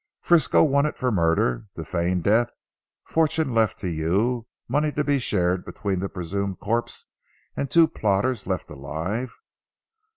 Frisco wanted for murder to feign death fortune left to you money to be shared between the presumed corpse and the two plotters left alive.